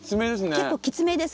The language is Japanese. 結構きつめです。